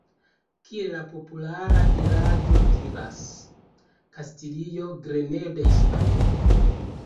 Kiel la populara diraĵo diras: "Kastilio, grenejo de Hispanio".